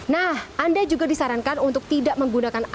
nah anda juga disarankan untuk tidak menggunakan